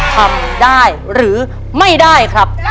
ทำได้หรือไม่ได้ครับ